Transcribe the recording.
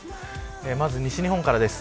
まず西日本からです。